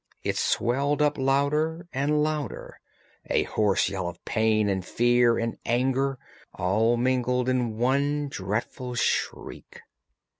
It swelled up louder and louder, a hoarse yell of pain and fear and anger all mingled in the one dreadful shriek.